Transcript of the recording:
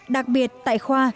đặc biệt tại khoa